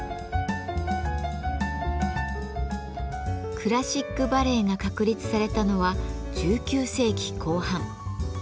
クラシックバレエが確立されたのは１９世紀後半。